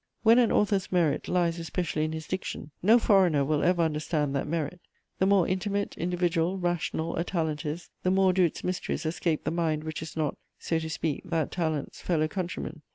When an author's merit lies especially in his diction, no foreigner will ever understand that merit. The more intimate, individual, rational a talent is, the more do its mysteries escape the mind which is not, so to speak, that talent's fellow countryman.